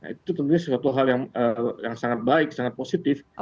itu tentunya suatu hal yang sangat baik sangat positif